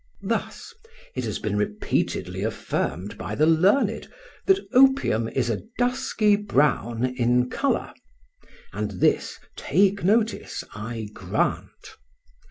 Thus it has been repeatedly affirmed by the learned that opium is a dusky brown in colour; and this, take notice, I grant.